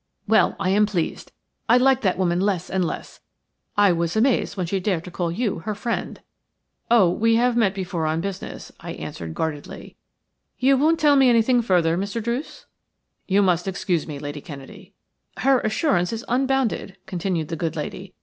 "Well, I am pleased. I like that woman less and less. I was amazed when she dared to call you her friend." "Oh, we have met before on business," I answered, guardedly. "You won't tell me anything further, Mr. Druce?" "You must excuse me, Lady Kennedy." "Her assurance is unbounded," continued the good lady.